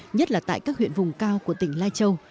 nhất là tại các huyện vùng cao của tỉnh lai châu